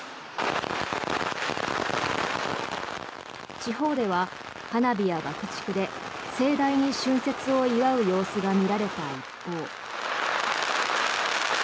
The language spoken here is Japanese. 地方では花火や爆竹で盛大に春節を祝う様子が見られた一方。